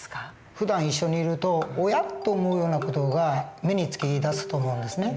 ふだん一緒にいるとおやっと思うような事が目に付きだすと思うんですね。